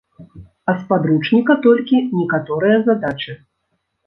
А з падручніка толькі некаторыя задачы.